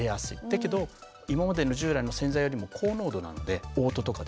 だけど今までの従来の洗剤よりも高濃度なのでおう吐とかですね